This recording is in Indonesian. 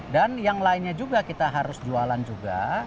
dan yang lainnya juga kita harus jualan juga